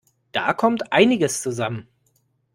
Da kommt einiges zusammen.